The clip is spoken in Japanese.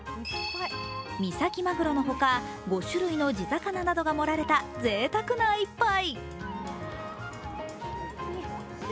三崎まぐろの他、５種類の地魚などが盛られたぜいたくな一杯。